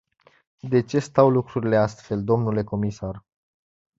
De ce stau lucrurile astfel, dle comisar?